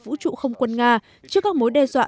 vũ trụ không quân nga trước các mối đe dọa